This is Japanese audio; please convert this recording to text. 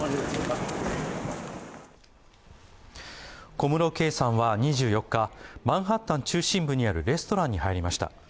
小室圭さんは２４日、マンハッタン中心部にあるレストランに入りました。